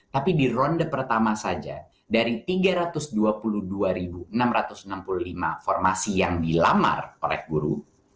tapi di ronde pertama saja dari tiga ratus dua puluh dua enam ratus enam puluh lima formasi yang dilamar oleh guru